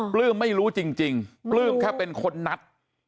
ปลื้มไม่รู้จริงปลื้มแค่เป็นคนนัด